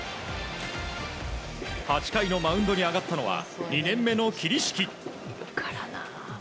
８回のマウンドに上がったのは２年目の桐敷。